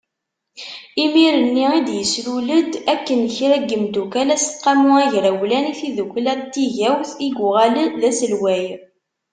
Imir-nni i d-yeslul-d akked kra n yimeddukkal aseqqamu agrawlan i tiddukla n tigawt u yuɣal d aselway.